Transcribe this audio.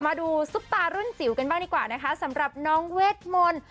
ซุปตารุ่นจิ๋วกันบ้างดีกว่านะคะสำหรับน้องเวทมนต์